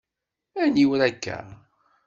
Aniwer akka?